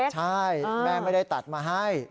ใช่แม่ไม่ได้ตัดมาให้